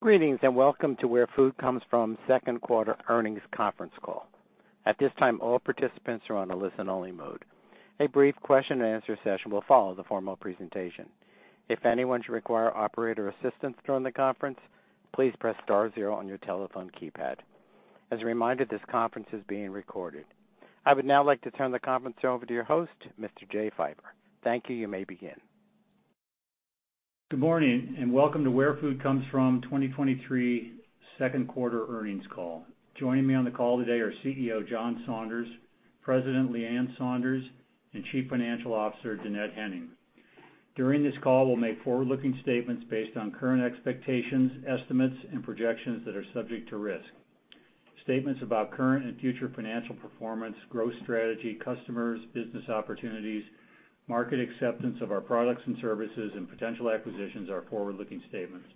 Greetings, and welcome to Where Food Comes From Second Quarter Earnings Conference Call. At this time, all participants are on a listen-only mode. A brief question-and-answer session will follow the formal presentation. If anyone should require operator assistance during the conference, please press star zero on your telephone keypad. As a reminder, this conference is being recorded. I would now like to turn the conference over to your host, Mr. Jay Pfeiffer. Thank you. You may begin. Good morning, welcome to Where Food Comes From 2023 second quarter earnings call. Joining me on the call today are CEO, John Saunders, President Leann Saunders, and Chief Financial Officer, Dannette Henning. During this call, we'll make forward-looking statements based on current expectations, estimates, and projections that are subject to risk. Statements about current and future financial performance, growth strategy, customers, business opportunities, market acceptance of our products and services, and potential acquisitions are forward-looking statements.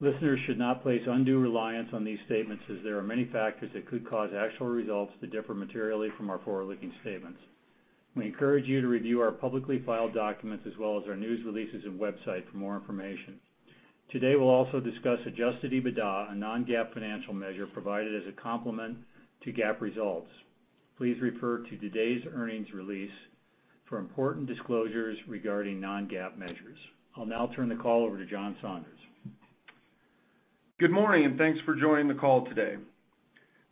Listeners should not place undue reliance on these statements, as there are many factors that could cause actual results to differ materially from our forward-looking statements. We encourage you to review our publicly filed documents as well as our news releases and website for more information. Today, we'll also discuss adjusted EBITDA, a non-GAAP financial measure provided as a complement to GAAP results. Please refer to today's earnings release for important disclosures regarding non-GAAP measures. I'll now turn the call over to John Saunders. Good morning, and thanks for joining the call today.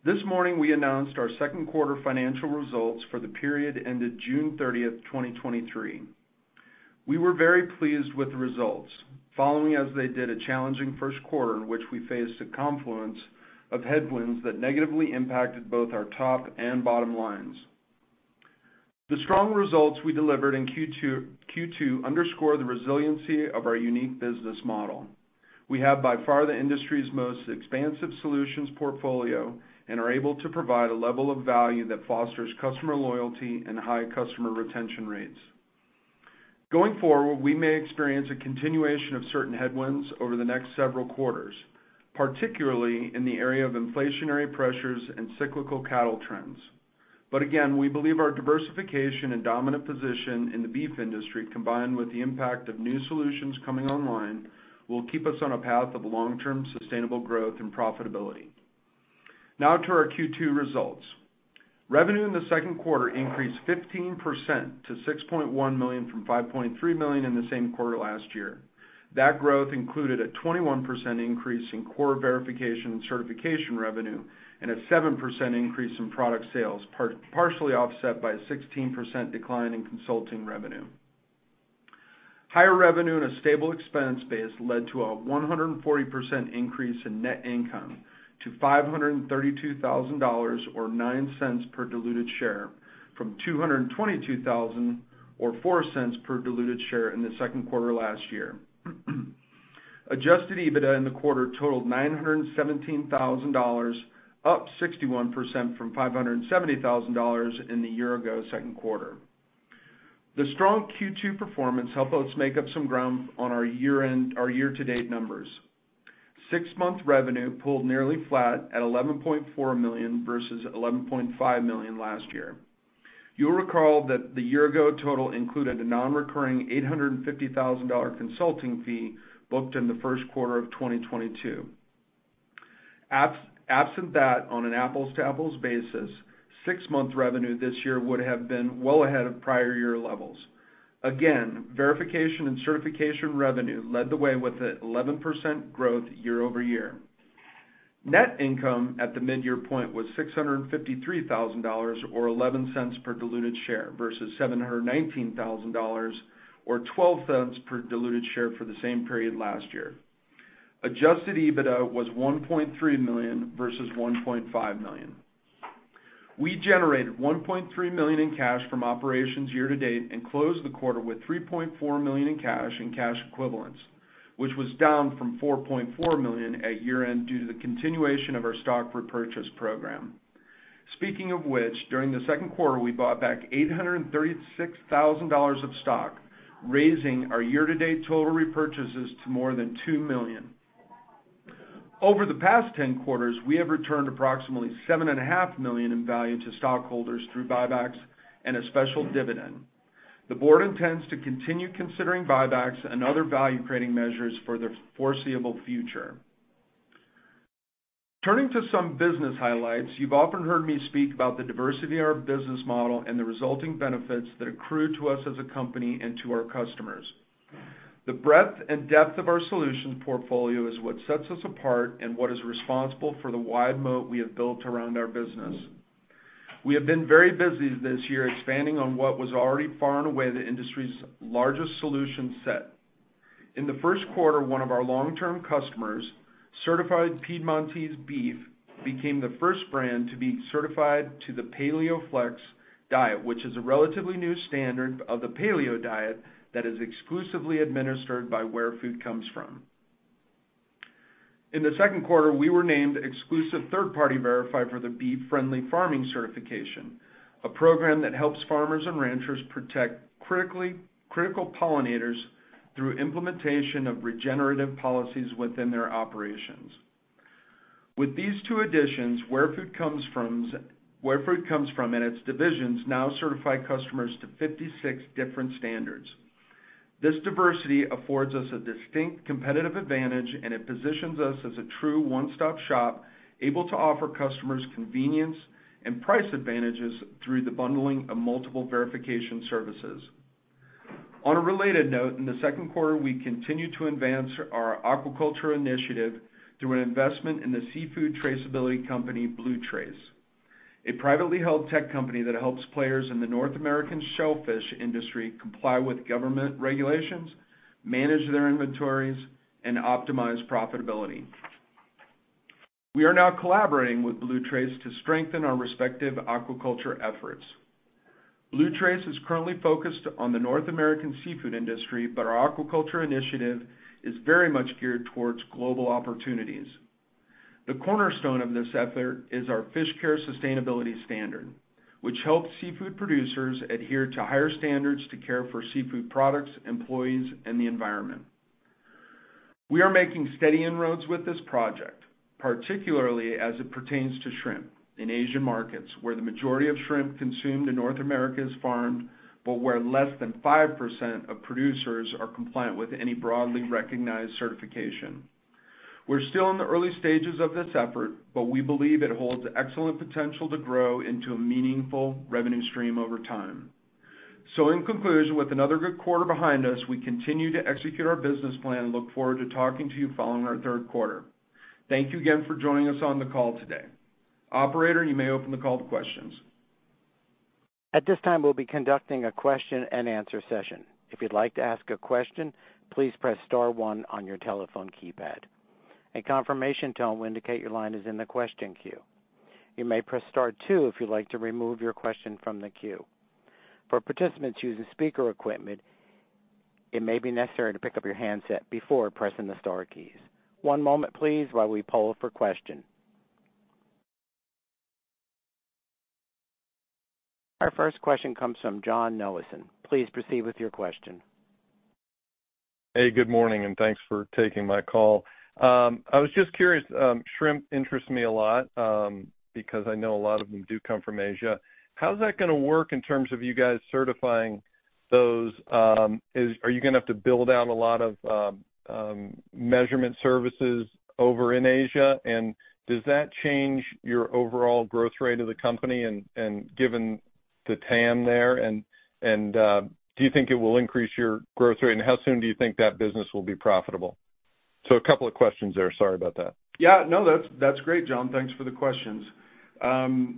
This morning, we announced our second quarter financial results for the period ended June 30th, 2023. We were very pleased with the results, following as they did a challenging first quarter in which we faced a confluence of headwinds that negatively impacted both our top and bottom lines. The strong results we delivered in Q2 underscore the resiliency of our unique business model. We have by far the industry's most expansive solutions portfolio and are able to provide a level of value that fosters customer loyalty and high customer retention rates. Going forward, we may experience a continuation of certain headwinds over the next several quarters, particularly in the area of inflationary pressures and cyclical cattle trends. Again, we believe our diversification and dominant position in the beef industry, combined with the impact of new solutions coming online, will keep us on a path of long-term sustainable growth and profitability. Now to our Q2 results. Revenue in the second quarter increased 15% to $6.1 million from $5.3 million in the same quarter last year. That growth included a 21% increase in core verification and certification revenue, and a 7% increase in product sales, partially offset by a 16% decline in consulting revenue. Higher revenue and a stable expense base led to a 140 increase in net income to $532,000, or $0.09 per diluted share, from $222,000 or $0.04 per diluted share in the second quarter last year. Adjusted EBITDA in the quarter totaled $917,000, up 61% from $570,000 in the year-ago second quarter. The strong Q2 performance helped us make up some ground on our year-to-date numbers. Six-month revenue pulled nearly flat at $11.4 million versus $11.5 million last year. You'll recall that the year-ago total included a nonrecurring $850,000 consulting fee booked in the first quarter of 2022. Absent that, on an apples-to-apples basis, six-month revenue this year would have been well ahead of prior year levels. Verification and certification revenue led the way with an 11% growth year-over-year. Net income at the midyear point was $653,000, or $0.11 per diluted share, versus $719,000 or $0.12 per diluted share for the same period last year. Adjusted EBITDA was $1.3 million versus $1.5 million. We generated $1.3 million in cash from operations year to date and closed the quarter with $3.4 million in cash and cash equivalents, which was down from $4.4 million at year-end due to the continuation of our stock repurchase program. Speaking of which, during the second quarter, we bought back $836,000 of stock, raising our year-to-date total repurchases to more than $2 million. Over the past 10 quarters, we have returned approximately $7.5 million in value to stockholders through buybacks and a special dividend. The board intends to continue considering buybacks and other value-creating measures for the foreseeable future. Turning to some business highlights, you've often heard me speak about the diversity of our business model and the resulting benefits that accrue to us as a company and to our customers. The breadth and depth of our solutions portfolio is what sets us apart and what is responsible for the wide moat we have built around our business. We have been very busy this year, expanding on what was already far and away the industry's largest solution set. In the first quarter, one of our long-term customers, Certified Piedmontese Beef, became the first brand to be certified to the PaleoFLEX diet, which is a relatively new standard of The Paleo Diet that is exclusively administered by Where Food Comes From. In the second quarter, we were named exclusive third-party verifier for the Bee Friendly Farming certification, a program that helps farmers and ranchers protect critical pollinators through implementation of regenerative policies within their operations. With these two additions, Where Food Comes From's, Where Food Comes From, and its divisions now certify customers to 56 different standards. This diversity affords us a distinct competitive advantage, and it positions us as a true one-stop shop, able to offer customers convenience and price advantages through the bundling of multiple verification services. On a related note, in the second quarter, we continued to advance our aquaculture initiative through an investment in the seafood traceability company, BlueTrace, a privately held tech company that helps players in the North American shellfish industry comply with government regulations, manage their inventories, and optimize profitability. We are now collaborating with BlueTrace to strengthen our respective aquaculture efforts. BlueTrace is currently focused on the North American seafood industry, but our aquaculture initiative is very much geared towards global opportunities. The cornerstone of this effort is our FishCare Sustainability Standard, which helps seafood producers adhere to higher standards to care for seafood products, employees, and the environment. We are making steady inroads with this project, particularly as it pertains to shrimp in Asian markets, where the majority of shrimp consumed in North America is farmed, but where less than 5% of producers are compliant with any broadly recognized certification. We're still in the early stages of this effort, but we believe it holds excellent potential to grow into a meaningful revenue stream over time. In conclusion, with another good quarter behind us, we continue to execute our business plan and look forward to talking to you following our third quarter. Thank you again for joining us on the call today. Operator, you may open the call to questions. At this time, we'll be conducting a question and answer session. If you'd like to ask a question, please press star one on your telephone keypad. A confirmation tone will indicate your line is in the question queue. You may press star two if you'd like to remove your question from the queue. For participants who use speaker equipment, it may be necessary to pick up your handset before pressing the star keys. One moment please, while we poll for question. Our first question comes from John Nelliston. Please proceed with your question. Hey, good morning, and thanks for taking my call. I was just curious, shrimp interests me a lot, because I know a lot of them do come from Asia. How's that gonna work in terms of you guys certifying those, are you gonna have to build out a lot of measurement services over in Asia? Does that change your overall growth rate of the company and, and given the TAM there, and, and, do you think it will increase your growth rate? How soon do you think that business will be profitable? A couple of questions there. Sorry about that. Yeah, no, that's, that's great, John. Thanks for the questions. In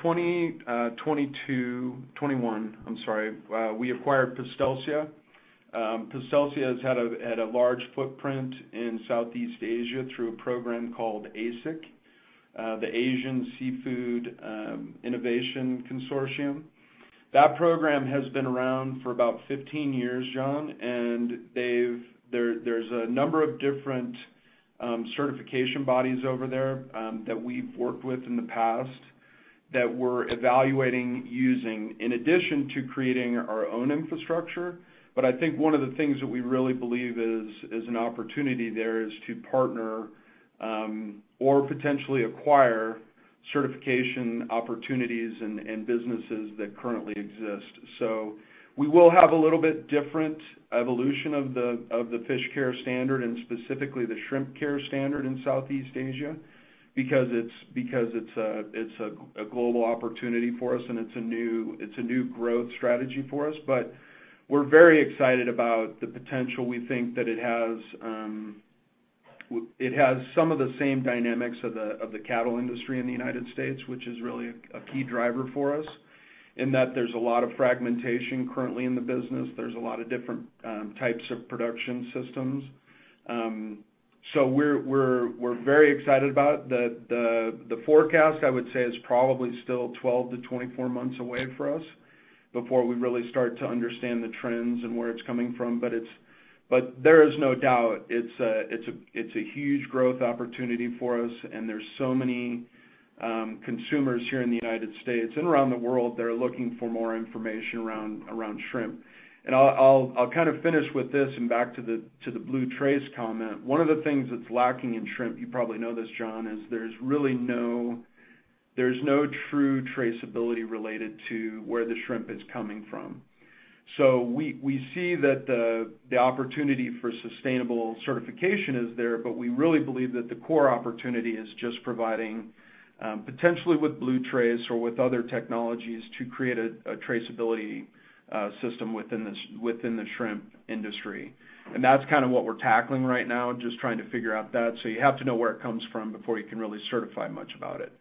2022... 2021, I'm sorry, we acquired Postelsia. Postelsia has had a large footprint in Southeast Asia through a program called ASIC, the Asian Seafood Innovation Consortium. That program has been around for about 15 years, John, and there's a number of different certification bodies over there that we've worked with in the past that we're evaluating using, in addition to creating our own infrastructure. I think one of the things that we really believe is an opportunity there is to partner, or potentially acquire certification opportunities and businesses that currently exist. We will have a little bit different evolution of the, of the FishCare standard and specifically the Shrimp Care standard in Southeast Asia, because it's, because it's a, it's a, a global opportunity for us, and it's a new, it's a new growth strategy for us. We're very excited about the potential we think that it has. w- it has some of the same dynamics of the, of the cattle industry in the United States, which is really a, a key driver for us, in that there's a lot of fragmentation currently in the business. There's a lot of different types of production systems. We're, we're, we're very excited about the, the, the forecast, I would say, is probably still 12-24 months away for us before we really start to understand the trends and where it's coming from. It's... There is no doubt it's a, it's a, it's a huge growth opportunity for us, and there's so many consumers here in the United States and around the world that are looking for more information around shrimp. I'll, I'll, I'll kind of finish with this and back to the BlueTrace comment. One of the things that's lacking in shrimp, you probably know this, John, is there's really no true traceability related to where the shrimp is coming from. We, we see that the opportunity for sustainable certification is there, but we really believe that the core opportunity is just providing potentially with BlueTrace or with other technologies, to create a traceability system within the shrimp industry. That's kind of what we're tackling right now, just trying to figure out that. You have to know where it comes from before you can really certify much about it.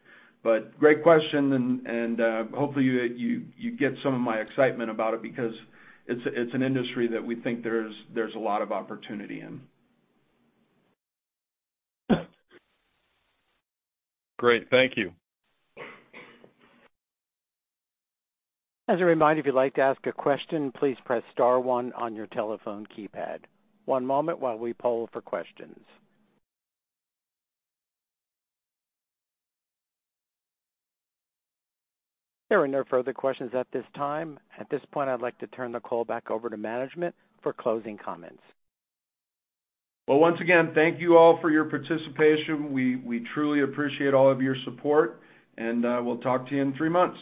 Great question, and, and, hopefully, you, you, you get some of my excitement about it because it's a, it's an industry that we think there's, there's a lot of opportunity in. Great. Thank you. As a reminder, if you'd like to ask a question, please press star one on your telephone keypad. One moment while we poll for questions. There are no further questions at this time. At this point, I'd like to turn the call back over to management for closing comments. Well, once again, thank you all for your participation. We, we truly appreciate all of your support. We'll talk to you in three months.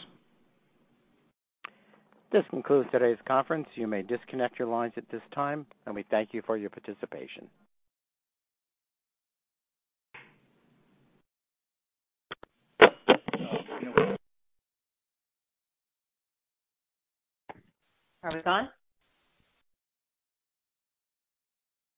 This concludes today's conference. You may disconnect your lines at this time, we thank you for your participation. Are we gone?